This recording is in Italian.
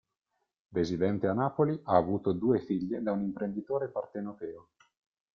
Residente a Napoli, ha avuto due figlie da un imprenditore partenopeo.